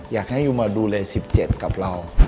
อยากให้อยู่มาดูแลสิบเจ็ดกับเรา